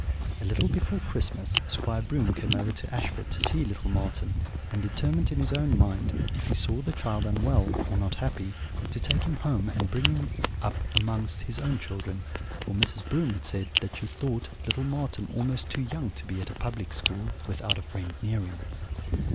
"A little before Christmas, Squire Broom came over to Ashford to see little Marten, and determined in his own mind, if he saw the child unwell, or not happy, to take him home and bring him up amongst his own children; for Mrs. Broom had said that she thought little Marten almost too young to be at a public school, without a friend near him.